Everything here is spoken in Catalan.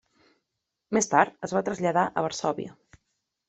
Més tard es va traslladar a Varsòvia.